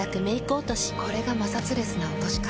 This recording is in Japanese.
これがまさつレスな落とし方。